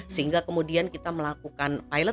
sehingga kemudian kita melakukan pilot